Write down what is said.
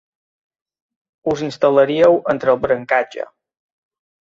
Us instal·laríeu entre el brancatge.